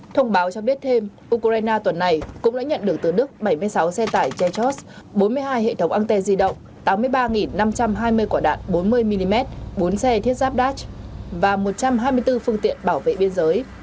thông báo cho biết thêm ukraine tuần này cũng đã nhận được từ đức bảy mươi sáu xe tải jet bốn mươi hai hệ thống anter di động tám mươi ba năm trăm hai mươi quả đạn bốn mươi mm bốn xe thiết giáp dat và một trăm hai mươi bốn phương tiện bảo vệ biên giới